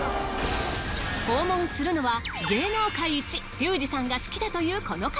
訪問するのは芸能界一リュウジさんが好きだというこの方。